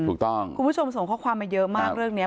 คุณผู้ชมส่งข้อความมาเยอะมากเรื่องนี้